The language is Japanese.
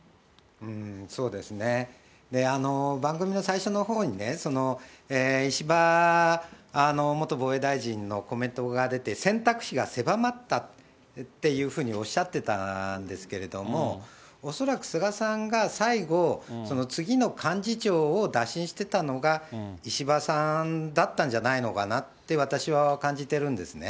そうですね、番組の最初のほうにね、石破元防衛大臣のコメントが出て、選択肢が狭まったっていうふうにおっしゃってたんですけれども、恐らく菅さんが、最後、次の幹事長を打診してたのが、石破さんだったんじゃないのかなって、私は感じてるんですね。